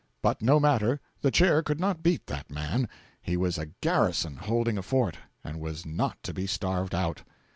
But, no matter, the Chair could not beat that man. He was a garrison holding a fort, and was not to be starved out.